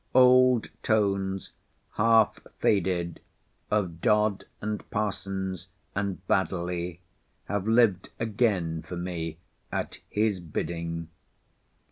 Old tones, half faded, of Dodd and Parsons, and Baddeley, have lived again for me at his bidding.